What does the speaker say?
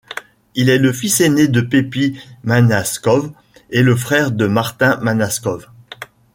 Il est le fils ainé de Pepi Manaskov et le frère de Martin Manaskov.